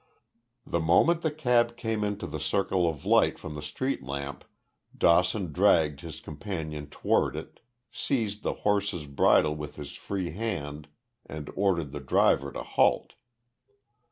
The moment the cab came into the circle of light from the street lamp Dawson dragged his companion toward it, seized the horse's bridle with his free hand and ordered the driver to halt.